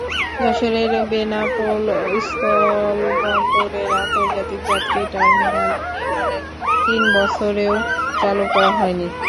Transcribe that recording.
যশোরের বেনাপোল স্থলবন্দরের আন্তর্জাতিক যাত্রী টার্মিনাল নির্মাণের তিন বছরেও চালু করা হয়নি।